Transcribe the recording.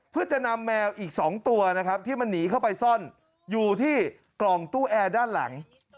เพื่อจะนำแมวอีก๒ตัวนะครับที่มันหนีเข้าไปซ่อนอยู่ที่กล่องตู้แอร์ด้านหลัง